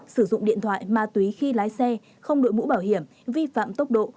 sử dụng điện thoại ma túy khi lái xe không đội mũ bảo hiểm vi phạm tốc độ